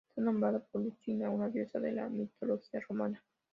Está nombrado por Lucina, una diosa de la mitología romana.